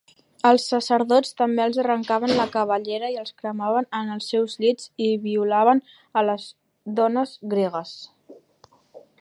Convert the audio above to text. Als sacerdots també els arrencaven la cabellera i els cremaven en els seus llits i violaven a les dones gregues.